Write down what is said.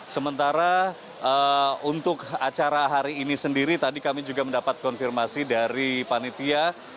sementara untuk acara hari ini sendiri tadi kami juga mendapat konfirmasi dari panitia